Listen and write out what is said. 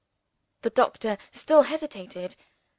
The doctor still hesitated.